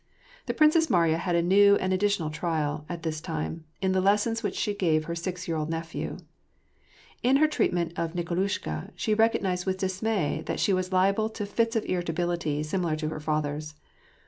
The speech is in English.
The Princess Mariya had a new and additional trial, at this time, in the lessons which she gave her siz year old nephew. In her treatment of Nikolushka she recognized with dismay that she was liable to Hts of irritability similar to her father's.